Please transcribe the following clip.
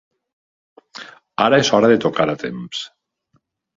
Ara és hora de tocar a temps.